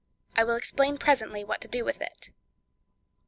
I will explain presently what to do with it.